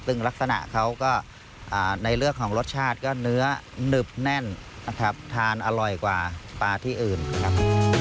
ซึ่งลักษณะเขาก็ในเรื่องของรสชาติก็เนื้อหนึบแน่นนะครับทานอร่อยกว่าปลาที่อื่นครับ